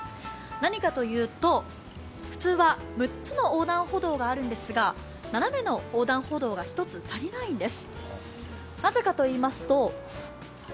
何かというと、普通は６つの横断歩道があるんですが斜めの横断歩道が１つ足りないんです。